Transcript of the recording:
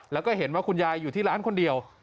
แล้วก็เห็นว่าคุณยายอยู่ที่ร้านคนเดียว